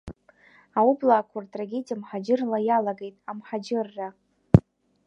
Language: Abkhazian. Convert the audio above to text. Аублаақуа ртрагедиа мҳаџьыррала иалагеит, амҳаџьырра!